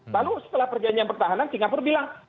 lalu setelah perjanjian pertahanan singapura bilang